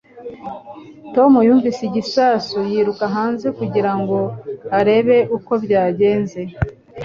Tom yumvise igisasu yiruka hanze kugira ngo arebe uko byagenze.